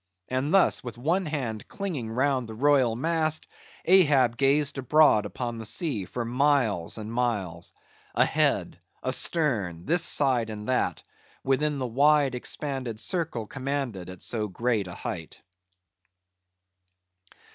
And thus, with one hand clinging round the royal mast, Ahab gazed abroad upon the sea for miles and miles,—ahead, astern, this side, and that,—within the wide expanded circle commanded at so great a height.